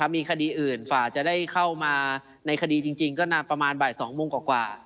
มีคดีอื่นฝ่าจะได้เข้ามาในคดีจริงก็นานประมาณบ่าย๒โมงกว่า